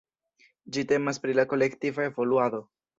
Ĝi temas pri la kolektiva evoluado.